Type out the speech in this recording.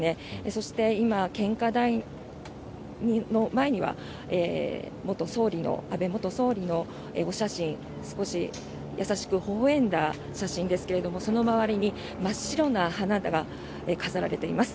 そして、今、献花台の前には安倍元総理のお写真少し優しくほほ笑んだ写真ですけどもその周りに真っ白な花が飾られています。